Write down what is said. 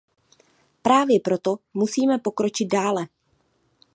Právě proto musíme pokročit dále.